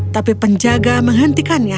tapi penjaga menghentikannya